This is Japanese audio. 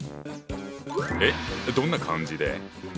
えっどんな漢字で？